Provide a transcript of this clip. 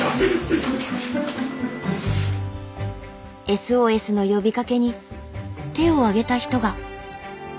ＳＯＳの呼びかけに手を挙げた人が。